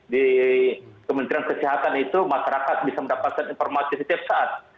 di kementerian kesehatan itu masyarakat bisa mendapatkan informasi setiap saat